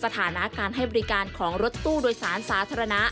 สถานะการให้บริการของรถตู้โดยสารสาธารณะ